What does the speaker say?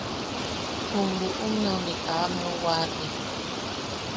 Jum buʼummeu ne kaa ameu waate.